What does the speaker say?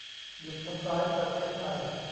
หยุด ทำร้ายประเทศไทย